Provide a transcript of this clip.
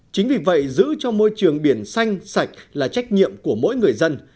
chính vì vậy giữ cho môi trường biển xanh sạch là trách nhiệm của mỗi người dân